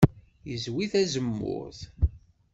Yezwi tazemmurt.